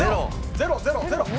０００。